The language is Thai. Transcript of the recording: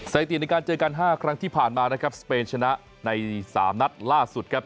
สถิติในการเจอกัน๕ครั้งที่ผ่านมานะครับสเปนชนะใน๓นัดล่าสุดครับ